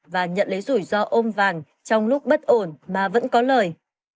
và nhận lấy rủi ro ôm vàng trong lúc bất ổn mà vẫn có lời